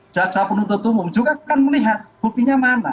jaksa penuntut umum juga kan melihat buktinya mana